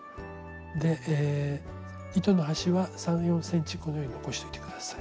で糸の端は３４ｃｍこのように残しといて下さい。